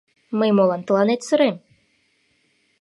Мый молан тыланет сырем?